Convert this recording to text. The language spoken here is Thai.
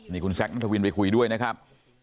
นี่คุณแซคนัทวินไปคุยด้วยนะครับ